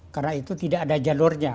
karena itu tidak ada jalurnya